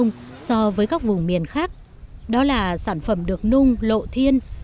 và một điều khác biệt nữa của gốm mân âu so với các vùng biển khác đó là sản phẩm được nung lộ thiên chỉ trong vòng ba mươi phút